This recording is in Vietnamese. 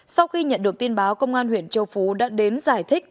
sau khi nhận được tin báo công an huyện châu phú đã đến giải thích